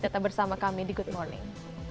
tetap bersama kami di good morning